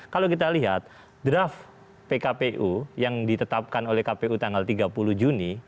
kalau kita lihat draft pkpu yang ditetapkan oleh kpu tanggal tiga puluh juni